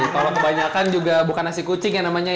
kalo kebanyakan juga bukan nasi kucing ya namanya ya